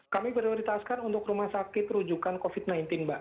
kami prioritaskan untuk rumah sakit rujukan covid sembilan belas mbak